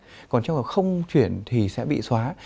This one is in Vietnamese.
còn trong hợp không chuyển thì sẽ bị xóa